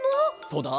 そうだ。